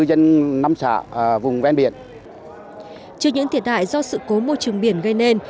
trước những thiệt hại do sự cố môi trường biển gây nên